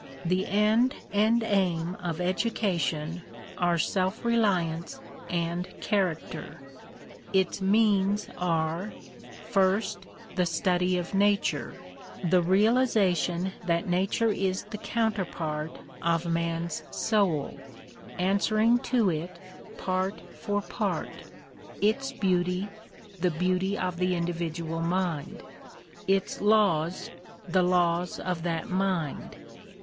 The end and aim of education are self reliance and character. Its means are : First, the study of Nature, the realisation that Nature is the counterpart of man's soul, answering to it part for part; its beauty the beauty of the individual mind, its laws th ; laws of that mind.